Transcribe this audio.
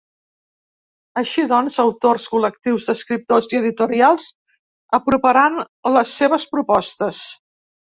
Així doncs, autors, col·lectius d’escriptors i editorials aproparan les seues propostes.